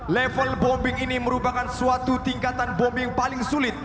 level bombing ini merupakan suatu tingkatan bombing paling sulit